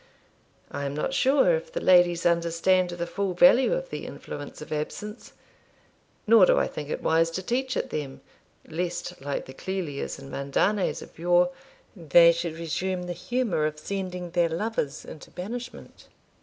I am not sure if the ladies understand the full value of the influence of absence, nor do I think it wise to teach it them, lest, like the Clelias and Mandanes of yore, they should resume the humour of sending their lovers into banishment.